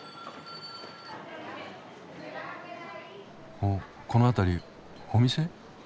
あこの辺りお店？